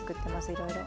いろいろ。